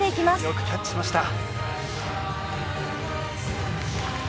よくキャッチしました。